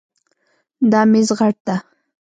دا میز غټ ده